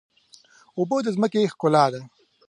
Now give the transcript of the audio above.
اوبه د ځمکې ښکلا ده.